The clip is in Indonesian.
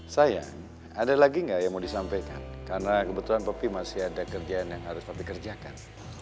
sayang ada lagi nggak yang mau disampaikan karena kebetulan kopi masih ada kerjaan yang harus kopi kerjakan